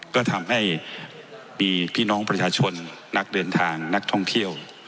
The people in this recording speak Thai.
ก็ทำให้มีพี่น้องประชาชนนักเดินทางนักท่องเที่ยว